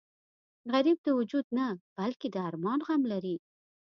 غریب د وجود نه بلکې د ارمان غم لري